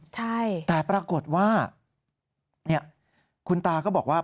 ใช่แต่ปรากฏว่าเนี่ยคุณตาก็บอกว่า